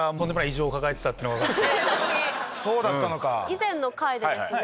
以前の回でですね